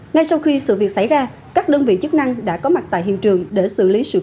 ngay sau khi sự việc xảy ra các đơn vị chức năng đã có mặt tại hiện trường để xử lý sự cố